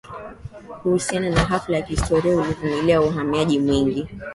kuhusiana na hafla za kihistoria walivumilia uhamiaji mwingi